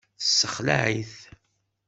Tessexlaε-it.